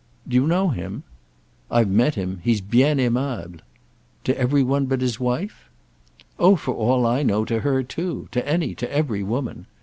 "Do you know him?" "I've met him. He's bien aimable." "To every one but his wife?" "Oh for all I know, to her too—to any, to every woman.